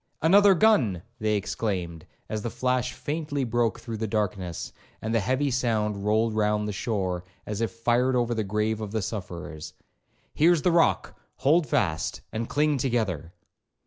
'Another gun!' they exclaimed, as the flash faintly broke through the darkness, and the heavy sound rolled round the shore, as if fired over the grave of the sufferers. 'Here's the rock, hold fast, and cling together.'